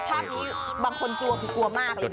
ภาพนี้บางคนกลัวคือกลัวมากเลยนะ